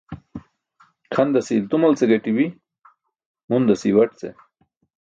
Kʰandase i̇ltumal ce gaṭi̇bi̇, mundasi̇ iwaṭ ce.